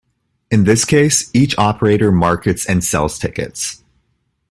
In this case each operator markets and sell tickets.